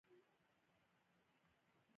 همدې توپیرونو او واقعیتونو خلک اړ کړي دي.